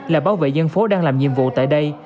là bảo vệ dân phố đang làm nhiệm vụ tại đây